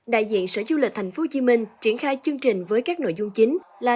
đại diện sở du lịch tp hcm triển khai chương trình với các nội dung chính là